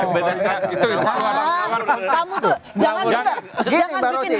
kamu tuh jangan bikin harapan palsu gitu dong